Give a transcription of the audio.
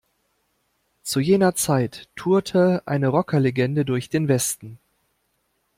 Zu jener Zeit tourte eine Rockerlegende durch den Westen.